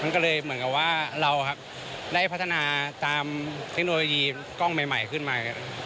มันก็เลยเหมือนกับว่าเราได้พัฒนาตามเทคโนโลยีกล้องใหม่ขึ้นมา